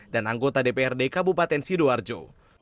dan anggota dprd kabupaten sidoarjo